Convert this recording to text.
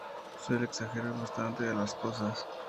Suele Exagerar bastante las Cosas.